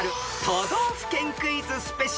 都道府県クイズＳＰ］